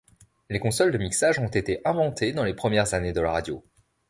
Les consoles de mixage ont été inventées dans les premières années de la radio.